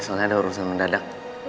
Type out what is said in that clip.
soalnya ada urusan mendadak